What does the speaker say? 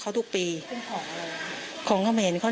พี่ทีมข่าวของที่รักของ